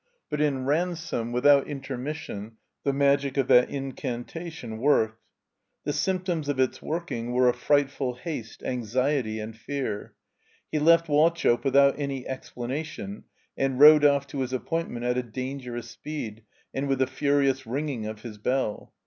But in Ransome, without intermission, the magic of that incantation worked. The symptoms of its working were a frightful haste, anxiety, and fear. He left Wauchope without any explanation, and rode off to his apix>intment at a dangerous speed and with a furious ringing of his bell.